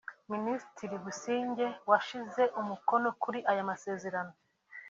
Minisitiri Busingye washyize umukono kuri aya masezerano